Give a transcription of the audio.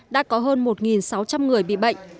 đã có hơn một sáu trăm linh người bị bệnh